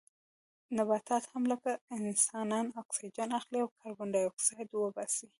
نباتات هم لکه انسانان اکسیجن اخلي او کاربن ډای اکسایډ وباسي